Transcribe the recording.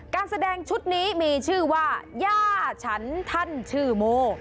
การแสดงชุดนี้มีชื่อว่าย่าฉันท่านชื่อโม